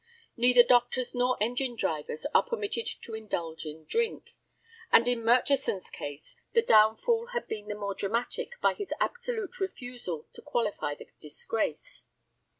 Neither doctors nor engine drivers are permitted to indulge in drink, and in Murchison's case the downfall had been the more dramatic by his absolute refusal to qualify the disgrace.